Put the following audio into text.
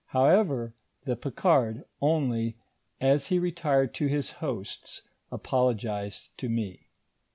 However, the Picard only, as he retired to his host's, apologised to me.